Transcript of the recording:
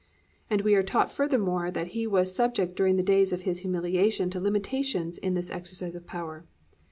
"+ And we are taught, furthermore, that He was subject during the days of His humiliation to limitations in the exercise of power.